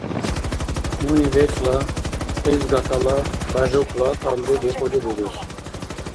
Нуни БецӀла, Кьиз гатала, Бяжукла тӀамри дикьули бирус